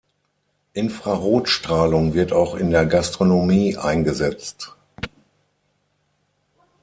Infrarotstrahlung wird auch in der Gastronomie eingesetzt.